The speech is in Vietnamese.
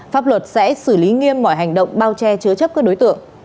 pháp luật sẽ xử lý nghiêm mọi hành động bao che chứa chấp các đối tượng